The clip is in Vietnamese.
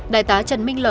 đại tá trần minh lợi